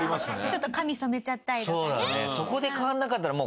ちょっと髪染めちゃったりとかね。